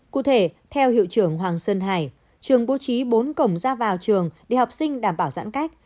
cụ thể theo hiệu trưởng hoàng sơn hải trường bố trí bốn cổng ra vào trường để học sinh đảm bảo giãn cách